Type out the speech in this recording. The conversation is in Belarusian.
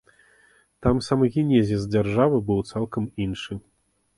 Там сам генезіс дзяржавы быў цалкам іншы.